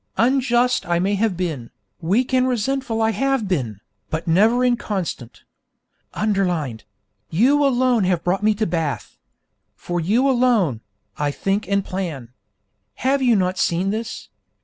Unjust I may have been, weak and resentful I have been, but never inconstant. [underlined: You alone have brought me to Bath. For you alone, I think and plan. Have you not seen this?